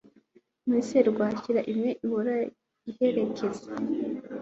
Muri serwakira imwe ihora iherekeza